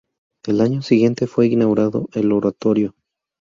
El año siguiente fue inaugurado el oratorio.